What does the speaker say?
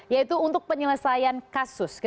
yaitu untuk penyelesaian kasus